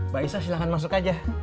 bisa silahkan masuk aja